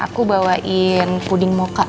aku bawain puding mocha